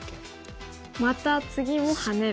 また次もハネる。